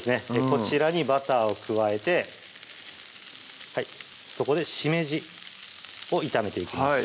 こちらにバターを加えてそこでしめじを炒めていきます